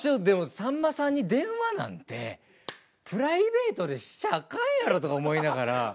でもさんまさんに電話なんてプライベートでしちゃあかんやろとか思いながら。